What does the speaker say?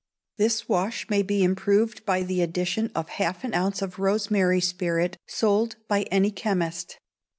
This wash may be improved by the addition of half an ounce of rosemary spirit sold by any chemist.